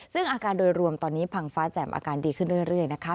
ซึ่งอาการโดยรวมตอนนี้พังฟ้าแจ่มอาการดีขึ้นเรื่อยนะคะ